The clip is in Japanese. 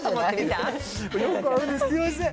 すみません。